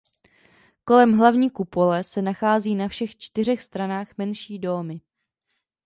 Kolem hlavní kupole se nachází na všech čtyřech stranách menší dómy.